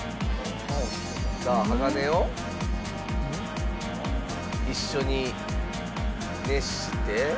さあ鋼を一緒に熱して。